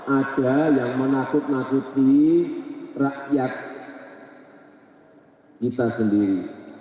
ada yang menakut nakuti rakyat kita sendiri